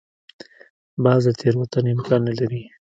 باز د تېروتنې امکان نه لري